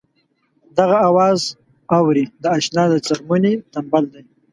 دغه اواز اورې د اشنا د څرمنې تمبل دی.